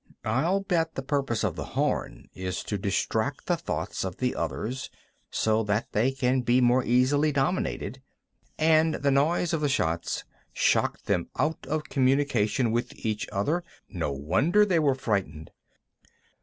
I'll bet the purpose of the horn is to distract the thoughts of the others, so that they can be more easily dominated. And the noise of the shots shocked them out of communication with each other; no wonder they were frightened."